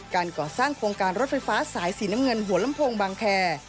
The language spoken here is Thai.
การก่อสร้างโครงการรถไฟฟ้าสายสีน้ำเงินหัวลำโพงบางแคร์